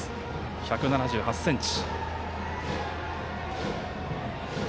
１７８ｃｍ。